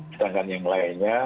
sedangkan yang lainnya